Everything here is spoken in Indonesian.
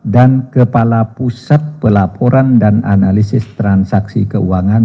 dan kepala pusat pelaporan dan analisis transaksi keuangan